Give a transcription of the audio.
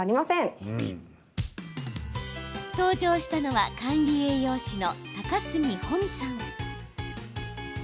登場したのは管理栄養士の高杉保美さん。